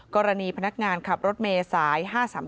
กรณีพนักงานขับรถเมย์สาย๕๓๓